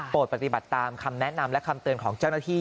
ปฏิบัติตามคำแนะนำและคำเตือนของเจ้าหน้าที่